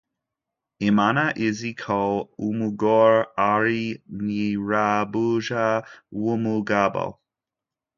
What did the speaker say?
Imana izi ko umugore ari nyirabuja wumugabo